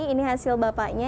ini hasil bapaknya